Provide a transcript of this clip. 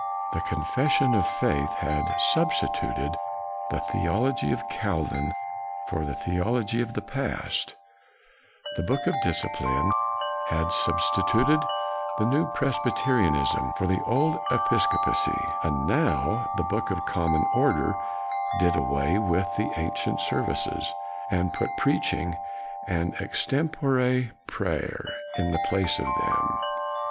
The Con fession of Faith had substituted the the ology of Calvin for the theology of the past; the Book of Discipline had sub stituted the New Presbyterianism for the old Episcopacy; and now the Book of Common Order did away with the an cient services, and put preaching and extempore prayer in the place of them.